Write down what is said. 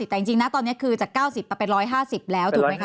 แต่จริงนะตอนนี้คือจาก๙๐มาเป็น๑๕๐แล้วถูกไหมคะ